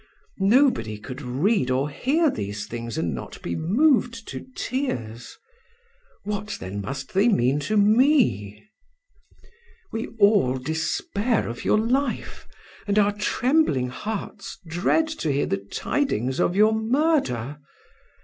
Nobody could read or hear these things and not be moved to tears. What then must they mean to me? We all despair of your life, and our trembling hearts dread to hear the tidings of your murder.